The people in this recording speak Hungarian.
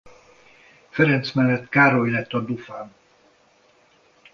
Ferenc mellett Károly lett a dauphin.